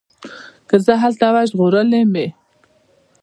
که زه هلته وای ژغورلي مي